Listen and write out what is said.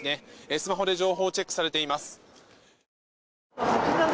スマホで情報をチェックされています。